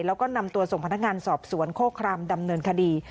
แล้วก็นำตัวส่งพนักงานสอบสวนโคครามดำเนินคดี